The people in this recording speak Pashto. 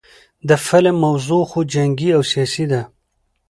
د فلم موضوع خو جنګي او سياسي ده